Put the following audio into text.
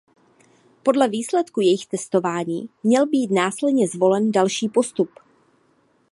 Podle výsledku jejich testování měl být následně zvolen další postup.